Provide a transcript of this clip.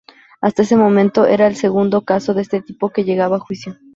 Hasta ese momento, era el segundo caso de este tipo que llegaba a juicio.